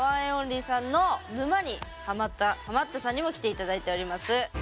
’ＯＮＬＹさんの沼にハマったハマったさんにも来て頂いております。